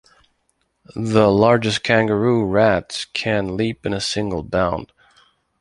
The largest kangaroo rats can leap in a single bound.